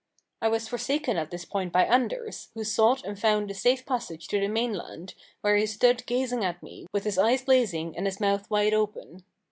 I was forsaken at this point by Anders, who sought and found a safe passage to the mainland, where he stood gazing at me with his eyes blazing and his mouth wide open.